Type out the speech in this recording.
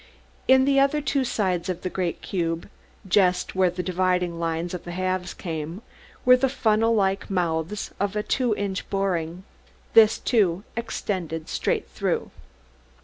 In the other two sides of the great cube, just where the dividing lines of the halves came, were the funnel like mouths of a two inch boring. This, too, extended straight through.